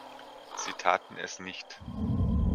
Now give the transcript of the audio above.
Sie taten es nicht.